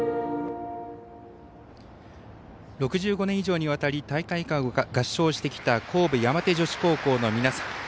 ６５年以上にわたり大会歌を合唱してきた神戸山手女子高校の皆さん